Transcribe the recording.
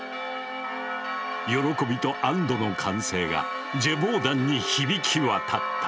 喜びと安どの歓声がジェヴォーダンに響き渡った。